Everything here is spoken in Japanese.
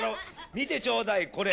見てちょうだい、これ。